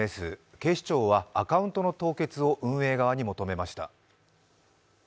警視庁はアカウントの凍結を運営側に求めました。